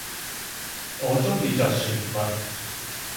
我中意着船襪